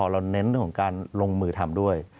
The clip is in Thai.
เราเน้นของการลงมือทำด้วย